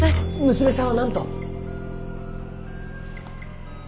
娘さんは何と？